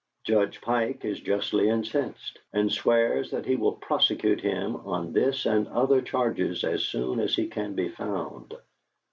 Judge Pike is justly incensed, and swears that he will prosecute him on this and other charges as soon as he can be found.